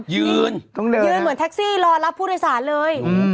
ยืนเหมือนแท็กซี่รอรับผู้โดยสารเลย